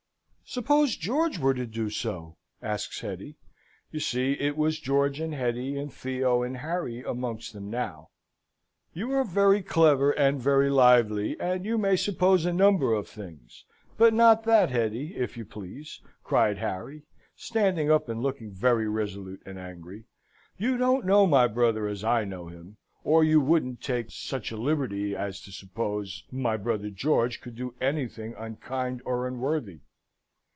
"Suppose George were to do so?" asks Hetty. You see, it was George and Hetty, and Theo and Harry, amongst them now. "You are very clever and very lively, and you may suppose a number of things; but not that, Hetty, if you please," cried Harry, standing up and looking very resolute and angry. "You don't know my brother as I know him or you wouldn't take such a liberty as to suppose my brother George could do anything unkind or unworthy!"